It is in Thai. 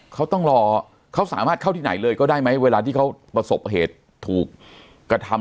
เขาต้องรอเขาสามารถเข้าที่ไหนเลยก็ได้ไหมเวลาที่เขาประสบเหตุถูกกระทำ